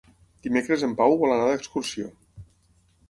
Dimecres en Pau vol anar d'excursió.